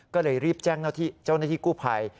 ก็เลยรีบแจ้งเจ้าหน้าที่กู้ภัย